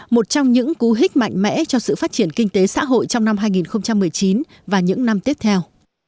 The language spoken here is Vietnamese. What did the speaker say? một trong những cú hích mạnh mẽ cho sự phát triển kinh tế xã hội trong năm hai nghìn một mươi chín và những năm tiếp theo